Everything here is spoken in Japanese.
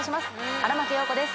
荒牧陽子です。